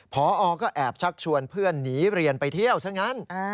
พอก็แอบชักชวนเพื่อนหนีเรียนไปเที่ยวซะงั้น